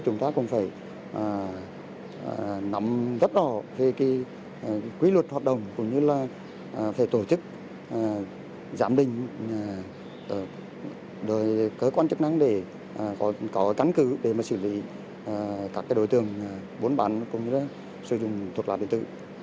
chúng ta cũng phải nắm rất rõ về quy luật hoạt động cũng như là phải tổ chức giảm đình cơ quan chức năng để có cán cứ để xử lý các đối tượng bốn bán cũng như là sử dụng thuốc lá điện tử